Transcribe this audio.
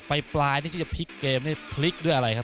ไปปลายนี้จะพลิกเกมพลิกด้วยอะไรครับ